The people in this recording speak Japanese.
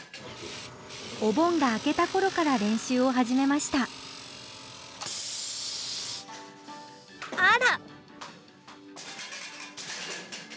お盆が明けたころから練習を始めましたあら！